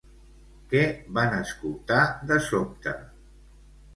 Què van escoltar de sobte?